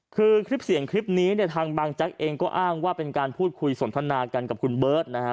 คือคลิปเสียงคลิปนี้เนี่ยทางบางแจ๊กเองก็อ้างว่าเป็นการพูดคุยสนทนากันกับคุณเบิร์ตนะฮะ